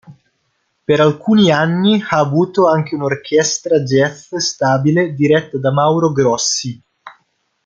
Per alcuni anni ha avuto anche una orchestra jazz stabile diretta da Mauro Grossi.